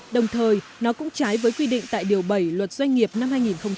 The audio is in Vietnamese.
đồng thời nó cũng trái với quy định tại điều bảy luật doanh nghiệp năm hai nghìn một mươi ba